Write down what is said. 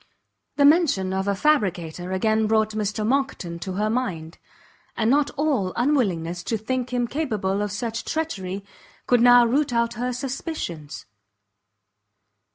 The mention of a fabricator again brought Mr Monckton to her mind, and not all her unwillingness to think him capable of such treachery, could now root out her suspicions.